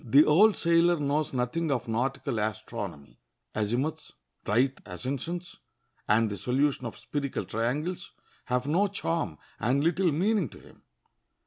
The old sailor knows nothing of nautical astronomy. Azimuths, right ascensions, and the solution of spherical triangles have no charm and little meaning to him.